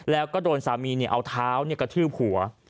แล้วก็โดนสามีเอาเท้ากระทืบหัว